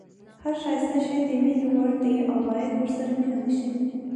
هر ښایسته شی د مینې وړ دی او باید ورسره مینه وشي.